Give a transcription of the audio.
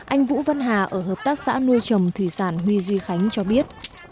anh vũ văn hà ở hợp tác xã nuôi trồng thủy sản huy duy khánh cho biết